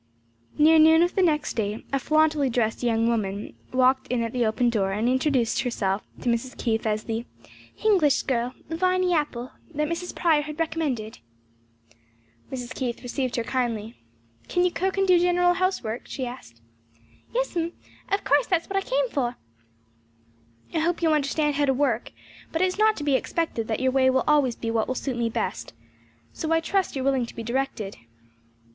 Near noon of the next day a flauntily dressed young woman walked in at the open door and introduced herself to Mrs. Keith as the "Hinglish girl, Viny Apple, that Mrs. Prior had recommended." Mrs. Keith received her kindly, "Can you cook and do general housework?" she asked. "Yes, mum; of course, that's what I came for." "I hope you understand how to work, but it is not to be expected that your way will always be what will suit me best; so I trust you are willing to be directed."